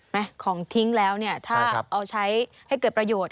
ของทิ้งแล้วเนี่ยถ้าเอาใช้ให้เกิดประโยชน